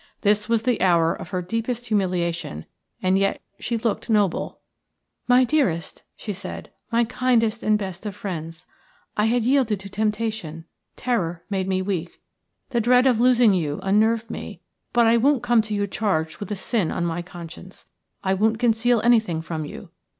This was the hour of her deepest humiliation, and yet she looked noble. "My dearest," she said, "my kindest and best of friends. I had yielded to temptation, terror made me weak, the dread of losing you unnerved me, but I won't come to you charged with a sin on my conscience; I won't conceal anything from you.